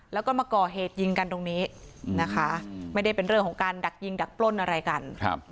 แล้วก็มาก่อเหตุยิงกันตรงนี้นะคะไม่ได้เป็นเรื่องของการดักยิงดักปล้นอะไรกัน